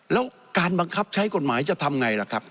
แล้วการบังคับใช้กฎหมายจะทำไงล่ะครับ